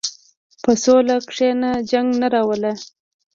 په سوله کښېنه، جنګ نه راوله.